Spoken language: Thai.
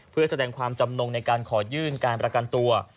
เพื่อแสดงความจำนงในการขอยื่นการประกันตัว